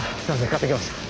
買ってきました。